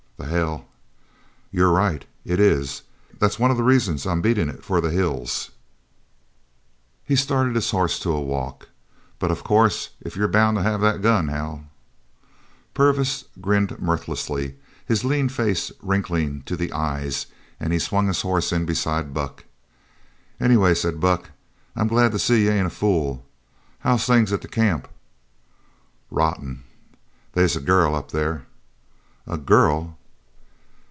"The hell!" "You're right. It is. That's one of the reasons I'm beatin' it for the hills." He started his horse to a walk. "But of course if you're bound to have that gun, Hal " Purvis grinned mirthlessly, his lean face wrinkling to the eyes, and he swung his horse in beside Buck. "Anyway," said Buck, "I'm glad to see you ain't a fool. How's things at the camp?" "Rotten. They's a girl up there " "A girl?"